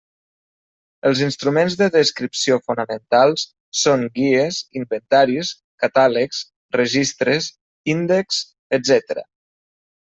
Els instruments de descripció fonamentals són guies, inventaris, catàlegs, registres, índexs, etcètera.